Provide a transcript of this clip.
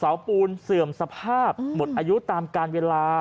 ปูนเสื่อมสภาพหมดอายุตามการเวลา